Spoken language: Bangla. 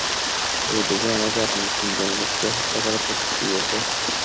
ওই ডুবে আমাকে আপনার তিনজন লোককে হত্যা করার চুক্তি দিয়েছে।